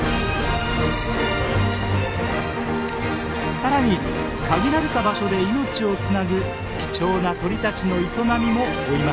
更に限られた場所で命をつなぐ貴重な鳥たちの営みも追いました。